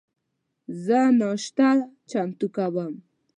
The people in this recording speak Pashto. زه ناشته چمتو کوم